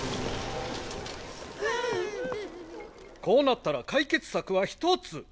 こうなったら解決策は一つ。